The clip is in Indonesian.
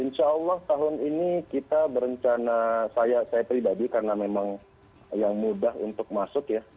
insya allah tahun ini kita berencana saya pribadi karena memang yang mudah untuk masuk ya